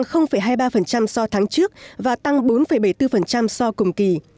giá tiêu dùng cpi tháng một mươi hai tăng hai mươi ba so tháng trước và tăng bốn bảy mươi bốn so cùng kỳ